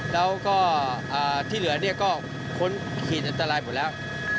แล้วก็ที่เหลือเนี่ยก็พ้นขีดอันตรายหมดแล้ว